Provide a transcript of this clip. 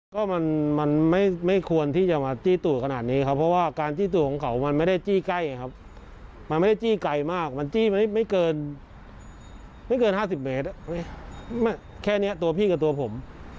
ก็มันไม่ควรที่จะมาจี้ตัวขนาดนี้ครับเพราะว่าการจี้ตัวของเขามันไม่ได้จี้ใกล้ครับมันไม่ได้จี้ไกลมากมันจี้มันไม่เกิน๕๐เมตรแค่นี้ตัวพี่กับตัวผม